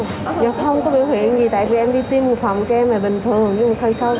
giờ không có biểu hiện gì tại vì em đi tiêm một phòng kèm là bình thường